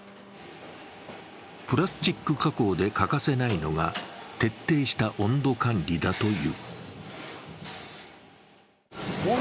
プラスチック加工で欠かせないのが徹底した温度管理だという。